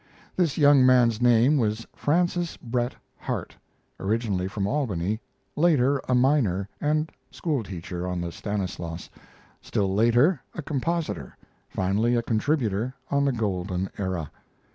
This young man's name was Francis Bret Harte, originally from Albany, later a miner and school teacher on the Stanislaus, still later a compositor, finally a contributor, on the Golden Era.